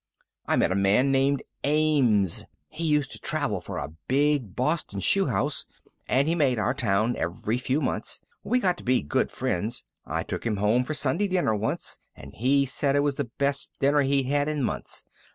"I met a man named Ames. He used to travel for a big Boston shoe house, and he made our town every few months. We got to be good friends. I took him home for Sunday dinner once, and he said it was the best dinner he'd had in months.